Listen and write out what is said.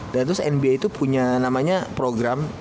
dan terus nba itu punya namanya program